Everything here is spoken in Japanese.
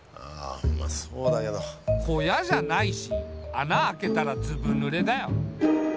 小屋じゃないし穴開けたらずぶぬれだよ。